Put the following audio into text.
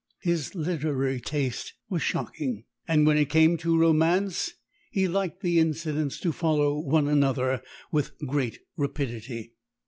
His literary taste was shocking, and when it came to romance he liked the incidents to follow one another with great rapidity.